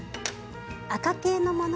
赤系のもの